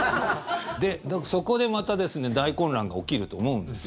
そこでまた大混乱が起きると思うんです。